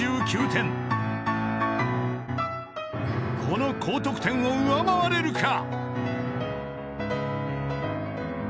［この高得点を上回れるか］